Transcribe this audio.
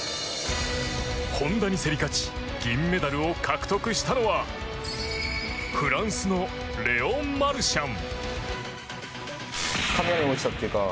本多に競り勝ち銀メダルを獲得したのはフランスのレオン・マルシャン。